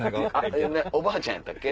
おばあちゃんやったっけ？